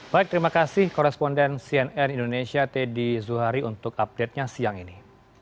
baik terima kasih koresponden cnn indonesia teddy zuhari untuk update nya siang ini